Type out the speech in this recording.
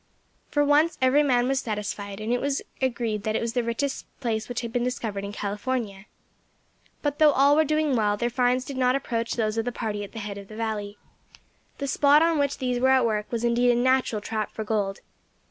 For once every man was satisfied, and it was agreed that it was the richest place which had been discovered in California. But though all were doing well, their finds did not approach those of the party at the head of the valley. The spot on which these were at work was indeed a natural trap for gold.